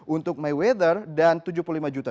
untuk mayweather dan tujuh puluh lima juta